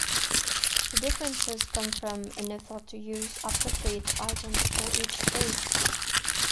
The differences come from an effort to use appropriate items for each age.